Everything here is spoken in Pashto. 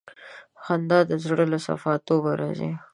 خندا د زړه له صفا توب راځي.